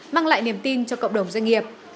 mang lại niềm tin cho cộng đồng doanh nghiệp